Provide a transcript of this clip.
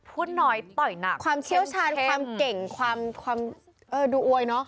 พูดน้อยต่อยหนักความเชี่ยวชาญความเก่งความความดูอวยเนอะ